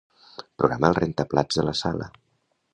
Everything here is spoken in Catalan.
Programa el rentaplats de la sala.